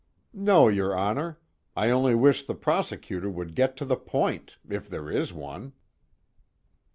"No, your Honor. I only wish the prosecutor would get to the point, if there is one."